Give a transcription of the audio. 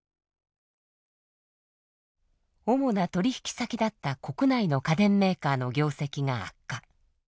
主な取引先だった国内の家電メーカーの業績が悪化。